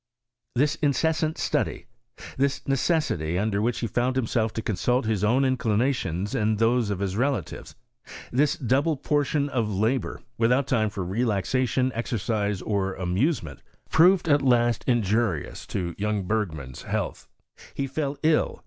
Tliis incessant study ; this necessity under which he found himself to consult his own inclinations and those of his relative; this double portion of labour, without time for relaxation, exercise, or amusement, proved at last injurious to young Berg; man's health. He fell ill.